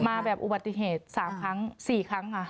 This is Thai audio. มาแบบอุบัติเหตุ๓ครั้ง๔ครั้งค่ะ